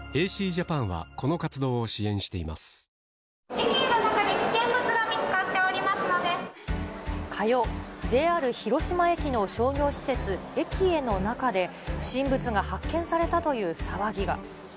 駅の中で危険物が見つかって火曜、ＪＲ広島駅の商業施設、エキエの中で、不審物が発見されたという騒ぎが。